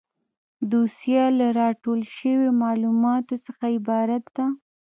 دوسیه له راټول شویو معلوماتو څخه عبارت ده.